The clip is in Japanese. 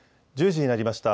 １０時になりました。